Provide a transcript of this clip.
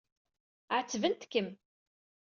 Ɛettbent-kem.